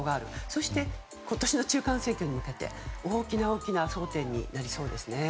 そして、今年の中間選挙に向けて大きな争点になりそうです。